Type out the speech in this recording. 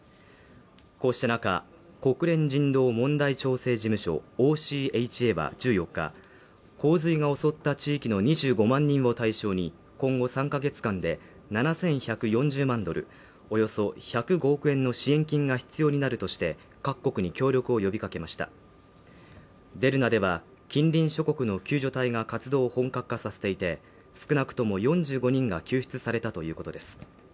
こうしたなか国連人道問題調整事務所＝ＯＣＨＡは１４日洪水が襲った地域の２５万人を対象に今後３か月間で７１４０万ドル、およそ１０５億円の支援金が必要になるとして各国に協力を呼びかけましたデルナでは近隣諸国の救助隊が活動を本格化させていて少なくとも４５人が救出されたということです